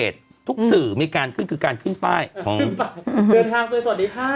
ทุกสื่อมีการกึ่งก็การขึ้นป้ายหนึ่งตายเดินทางตัวสดิ์ภาพ